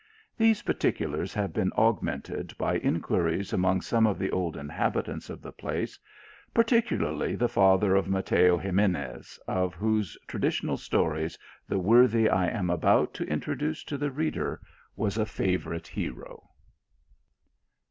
These particulars have been augmented by inquiries among some of the old inhabitants of the place, par ticularly the father of Mateo Ximencs, of whose tra ditional stories the worthy I am about to introduce to the reader is a favourite hero.